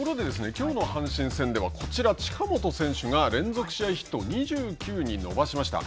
きょうの阪神戦ではこちら、近本選手が連続試合ヒットを２９に伸ばしました。